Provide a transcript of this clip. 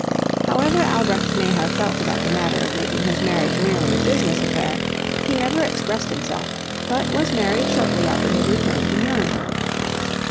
However Albrecht may have felt about the matter of making his marriage merely a business affair, he never expressed himself, but was married shortly after his return to Nuremberg.